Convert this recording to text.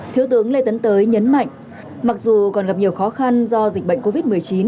thiếu tướng lê tấn tới nhấn mạnh mặc dù còn gặp nhiều khó khăn do dịch bệnh covid một mươi chín